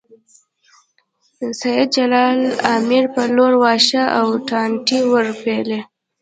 سېد جلال امیر په لور واښه او ټانټې ورېبلې